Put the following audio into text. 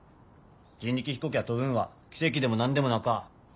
人力飛行機が飛ぶんは奇跡でも何でもなか。